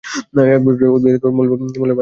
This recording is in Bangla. একবীজপত্রী উদ্ভিদের মূলের ভাস্কুলার বাওল কয়টি?